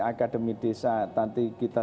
akademi desa nanti kita